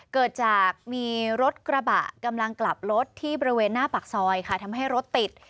เกิดจากมีรถกระบะกำลังกลับรถที่บริเวณหน้าปากซอยค่ะทำให้รถติด